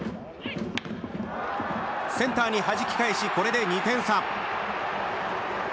センターにはじき返しこれで２点差。